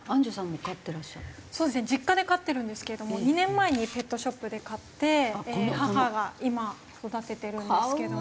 実家で飼ってるんですけれども２年前にペットショップで買って母が今育ててるんですけど。